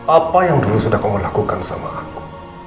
apa yang dulu sudah kamu lakukan sama aku